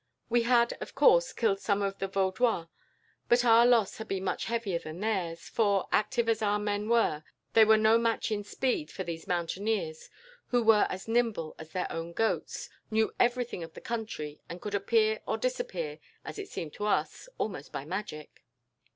We had, of course, killed some of the Vaudois, but our loss had been much heavier than theirs, for, active as our men were, they were no match in speed for these mountaineers, who were as nimble as their own goats, knew everything of the country, and could appear or disappear, as it seemed to us, almost by magic.